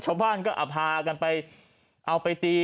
ชาวบ้านก็เอาพากันไปเอาไปตี